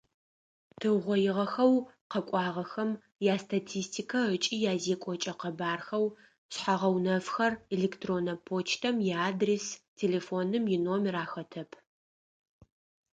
Тыугъоигъэхэу къэкӏуагъэхэм ястатистикэ ыкӏи язекӏокӏэ къэбархэу шъхьэ-гъэунэфхэр: электроннэ почтэм иадрес, телефоным иномер ахэтэп.